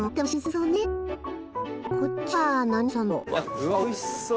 うわおいしそう！